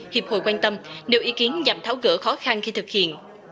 hiệp hội quan tâm nếu ý kiến nhằm tháo gỡ khó khăn khi thực hiện